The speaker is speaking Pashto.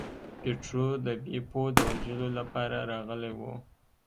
پیټرو د بیپو د وژلو لپاره راغلی و.